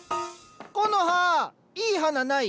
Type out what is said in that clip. コノハいい花ない？